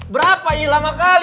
berapa ii lama kali